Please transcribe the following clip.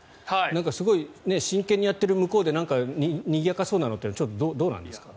すごい真剣にやっている向こうでにぎやかそうなのってどうなんですか？